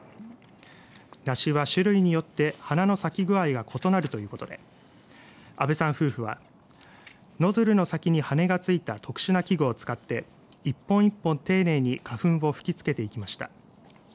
ナシは種類によって花の咲き具合が異なるということで阿部さん夫婦はノズルの先に羽根がついた特殊な器具を使って１本１本丁寧に花粉を吹きつけていきました。